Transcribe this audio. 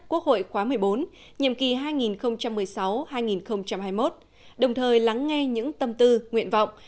quốc hội khóa một mươi bốn nhiệm kỳ hai nghìn một mươi sáu hai nghìn hai mươi một đồng thời lắng nghe những tâm tư nguyện vọng